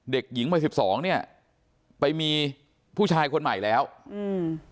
เด็กหญิงวัยสิบสองเนี้ยไปมีผู้ชายคนใหม่แล้วอืม